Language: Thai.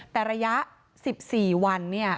แต่ระยะ๑๔วันเนี่ย